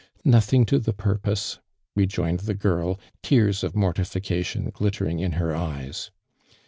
" Nothing to the purpose," rejoined the girl, tears of mortification glittering in her eyes.